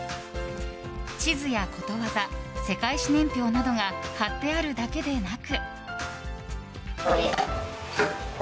地図や、ことわざ世界史年表などが貼ってあるだけでなく。